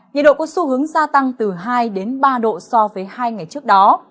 nhiệt độ có xu hướng gia tăng từ hai đến ba độ so với hai ngày trước đó